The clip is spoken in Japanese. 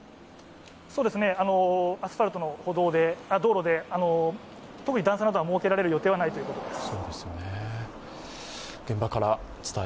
アスファルトの道路で、特に段差などは設けられる予定はないということです。